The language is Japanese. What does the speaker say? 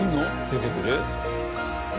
出てくる？